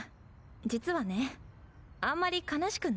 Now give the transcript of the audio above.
実はねあんまり悲しくないんだ。